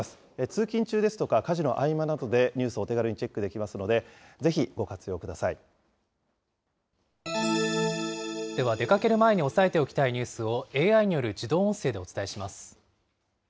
通勤中ですとか家事の合間などでニュースをお手軽にチェックできでは、出かける前に押さえておきたいニュースを、ＡＩによる自動音声でお伝えします。